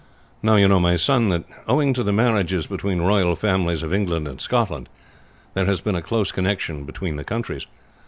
"Now, you know, my son, that, owing to the marriages between royal families of England and Scotland, there has been a close connection between the countries.